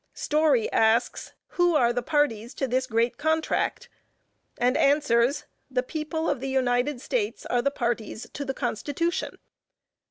Story asks, "Who are the parties to this great contract?" and answers the question by saying, "The people of the United States are the parties to the Constitution."